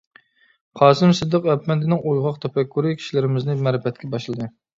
قاسىم سىدىق ئەپەندىنىڭ ئويغاق تەپەككۇرى، كىشىلىرىمىزنى مەرىپەتكە باشلىدى.